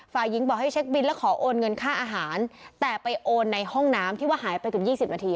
ฝ่ายหญิงบอกให้เช็คบินแล้วขอโอนเงินค่าอาหารแต่ไปโอนในห้องน้ำที่ว่าหายไปเกือบ๒๐นาที